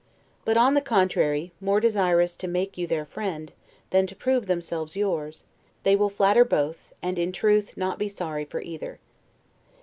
But, on the contrary, more desirous to make you their friend, than to prove themselves yours, they will flatter both, and, in truth, not be sorry for either.